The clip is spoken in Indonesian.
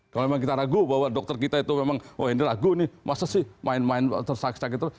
kalau memang kita ragu bahwa dokter kita itu memang wah ini ragu nih masa sih main main tersak sakit itu